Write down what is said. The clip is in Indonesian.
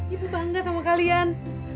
ibu bangga sama kalian